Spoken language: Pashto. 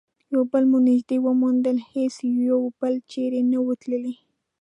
یو بل مو نژدې وموند، هیڅ یو بل چیري نه وو تللي.